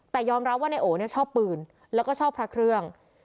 แต่ยอมรับว่านายโอเนี่ยชอบปืนแล้วก็ชอบพระเครื่อง